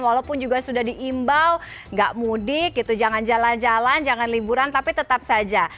walaupun juga sudah diimbau gak mudik gitu jangan jalan jalan jangan liburan tapi tetap saja